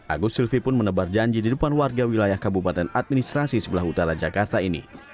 agus silvi pun menebar janji di depan warga wilayah kabupaten administrasi sebelah utara jakarta ini